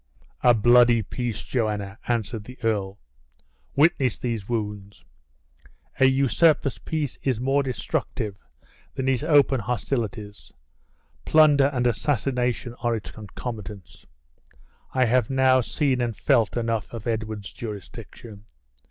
"A bloody peace, Joanna," answered the earl; "witness these wounds. A usurper's peace is more destructive than his open hostilities; plunder and assassination are its concomitants. I have now seen and felt enough of Edward's jurisdiction.